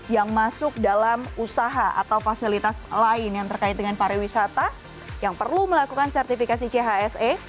yang masuk dalam usaha atau fasilitas lain yang terkait dengan pariwisata yang perlu melakukan sertifikasi chse